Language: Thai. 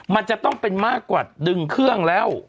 มันจะต้องเป็นมากกว่าดึงเครื่องแล้ว